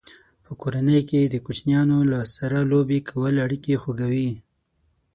په کورنۍ کې د کوچنیانو سره لوبې کول اړیکې خوږوي.